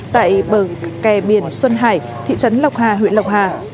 tại bờ kè biển xuân hải thị trấn lộc hà huyện lộc hà